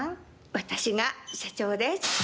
私が社長です。